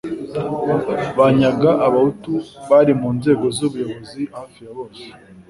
banyaga abahutu bari mu nzego z ubuyobozi hafi ya bose